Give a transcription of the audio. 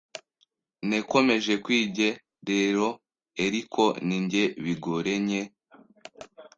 nekomeje kwige rero eriko nige bigorenye